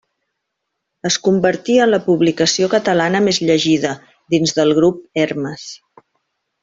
Es convertí en la publicació catalana més llegida, dins del grup Hermes.